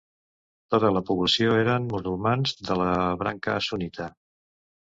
Tota la població eren musulmans de la branca sunnita.